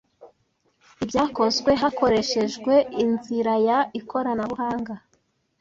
Ibyakozwe hakoreshejwe inzira ya ikoranabuhanga